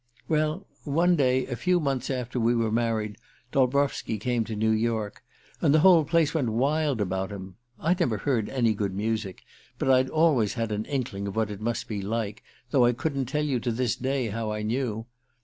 Well one day, a few months after we were married, Dolbrowski came to New York, and the whole place went wild about him. I'd never heard any good music, but I'd always had an inkling of what it must be like, though I couldn't tell you to this day how I knew.